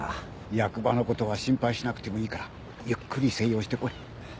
役場のことは心配しなくてもいいからゆっくり静養してこい。